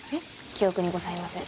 記憶にございません。